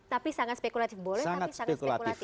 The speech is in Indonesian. tapi sangat spekulatif boleh tapi sangat spekulatif